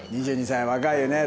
２２歳若いよね。